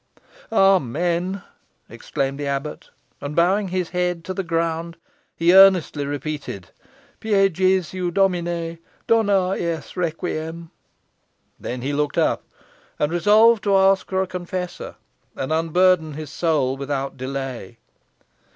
"Amen!" exclaimed the abbot. And bowing his head to the ground, he earnestly repeated "Pie Jesu Domine! Dona eis requiem." Then he looked up, and resolved to ask for a confessor, and unburthen his soul without delay.